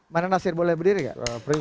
mana nasir boleh berdiri nggak